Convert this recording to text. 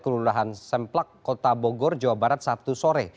kelurahan semplak kota bogor jawa barat sabtu sore